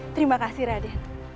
terima kasih raden